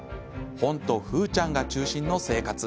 本と楓ちゃんが中心の生活